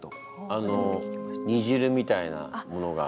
あのにじるみたいなものが。